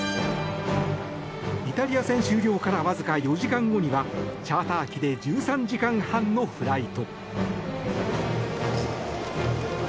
イタリア戦終了からわずか４時間後にはチャーター機で１３時間半のフライト。